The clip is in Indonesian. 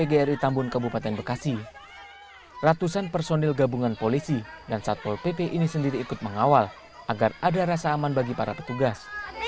kg tambun kabupaten bekasi ratusan personil gabungan polisi dan satpol pp ini sendiri ikut mengawal agar ada rasa aman bagi para petugas